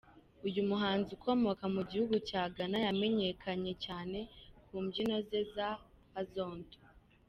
Uyu muhanzi ukomoka mu gihugu cya Ghana yamenyekanye cyane ku mbyino ze za Azonto.